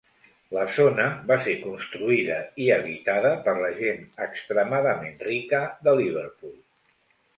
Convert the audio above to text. La zona va ser construïda i habitada per la gent extremadament rica de Liverpool.